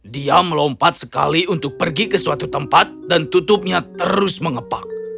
dia melompat sekali untuk pergi ke suatu tempat dan tutupnya terus mengepak